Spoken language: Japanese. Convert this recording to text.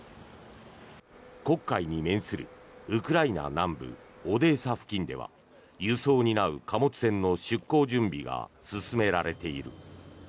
黒海に面するウクライナ南部オデーサ付近では輸送を担う貨物船の出港準備が進められている。